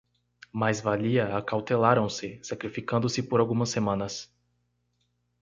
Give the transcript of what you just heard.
Mais valia acautelarem-se, sacrificando-se por algumas semanas.